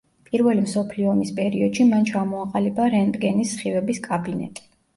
პირველი მსოფლიო ომის პერიოდში მან ჩამოაყალიბა რენტგენის სხივების კაბინეტი.